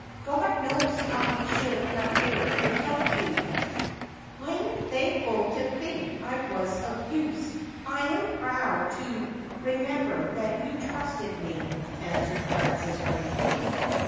God knows how we should have fared without you.' ' I am thankful to think I was of use. I am proud to re member that you trusted me,' answered Frances gravely.